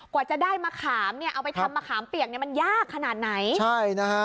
กว่าจะได้มะขามเนี่ยเอาไปทำมะขามเปียกเนี่ยมันยากขนาดไหนใช่นะฮะ